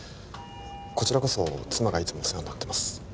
こちらこそ妻がいつもお世話になってます